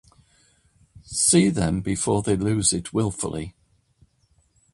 See them before they lose it willfully.